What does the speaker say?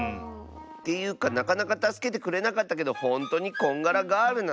ていうかなかなかたすけてくれなかったけどほんとにこんがらガールなの？